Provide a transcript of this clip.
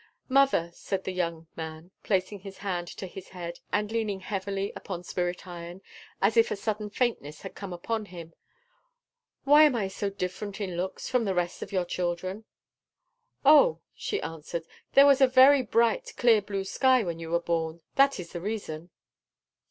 "Mother," said the young man, placing his hand to his head and leaning heavily upon Spirit Iron, as if a sudden faintness had come upon him, "Why am I so different in looks from the rest of your children?" "Oh," she answered, "there was a very bright, clear blue sky when you were born; that is the reason."